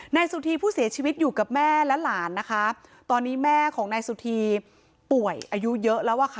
นายสุธีผู้เสียชีวิตอยู่กับแม่และหลานนะคะตอนนี้แม่ของนายสุธีป่วยอายุเยอะแล้วอ่ะค่ะ